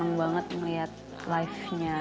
terima kasih banget melihat live nya